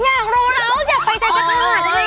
อยากรู้แล้วอยากไปใจจักรหาดนี้